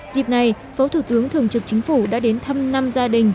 dịp này phó thủ tướng thường trực chính phủ đã đến thăm năm gia đình